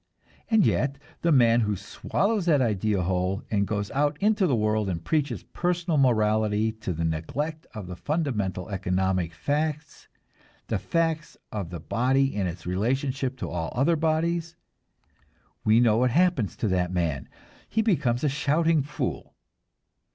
And yet, the man who swallows that idea whole, and goes out into the world and preaches personal morality to the neglect of the fundamental economic facts, the facts of the body in its relationship to all other bodies we know what happens to that man; he becomes a shouting fool.